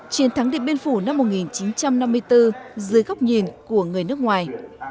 chiến thắng điện biên phủ năm một nghìn chín trăm năm mươi bốn dưới góc nhìn của người nước ngoài